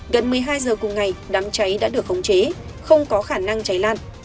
gần một mươi hai giờ cùng ngày đám cháy đã được khống chế không có khả năng cháy lan